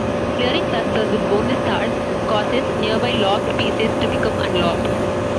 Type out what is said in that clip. Clearing clusters with bonus stars causes nearby locked pieces to become unlocked.